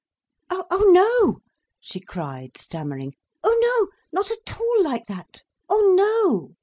"Oh no," she cried, stammering. "Oh no—not at all like that—oh no!